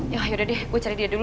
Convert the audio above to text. ya yaudah deh gue cari dia dulu